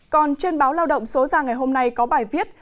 còn trên báo lao động số ra ngày hôm nay có bài viết